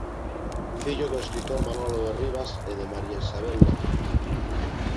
Fillo do escritor Manolo Rivas e de María Isabel López.